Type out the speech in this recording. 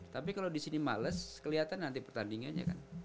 tapi kalau disini males keliatan nanti pertandingannya kan